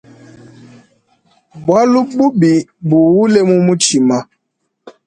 Bualu budi buule mu mutshima.